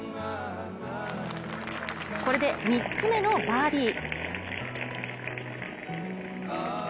これで３つ目のバーディー。